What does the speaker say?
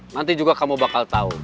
nanti juga kamu bakal tahu